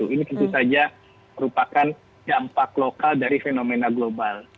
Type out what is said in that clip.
ini tentu saja merupakan dampak lokal dari fenomena global